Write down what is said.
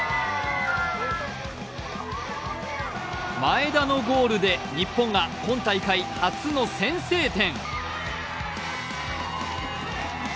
前田のゴールで日本が今大会初の先制点。